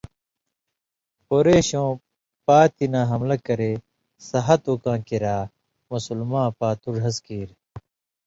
قُریشؤں پاتیۡ نہ حملہ کرے سہت اوکاں کِریا مُسلماں پاتُو ڙھس کیریۡ۔